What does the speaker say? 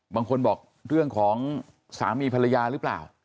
บางคนบอกเรื่องของสามีภรรยาหรือเปล่า